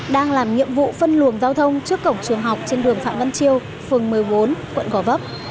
đang làm nhiệm vụ phân luồng giao thông trước cổng trường học trên đường phạm văn chiêu phường một mươi bốn quận gò vấp